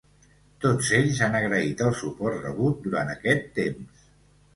Tots ells han agraït el suport rebut durant aquest temps.